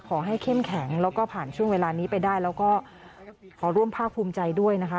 เข้มแข็งแล้วก็ผ่านช่วงเวลานี้ไปได้แล้วก็ขอร่วมภาคภูมิใจด้วยนะคะ